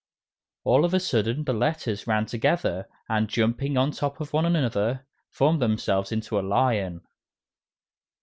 All of a sudden the Letters ran together, and, jumping on top of one another, formed themselves into a lion.